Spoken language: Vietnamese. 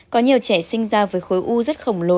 có nhiều trẻ sinh ra với khối u rất khổng lồ